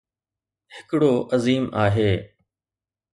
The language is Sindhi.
ھڪڙو عظيم آھي.